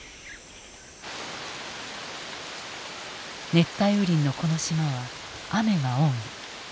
熱帯雨林のこの島は雨が多い。